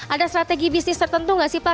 ada strategi bisnis tertentu nggak sih pak